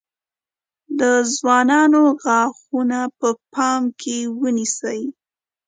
د ځوانانو غاښونه په پام کې ونیسئ.